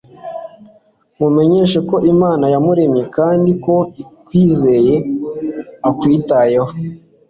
mumenyeshe ko imana yamuremye, kandi ko ikwizeye akwitayeho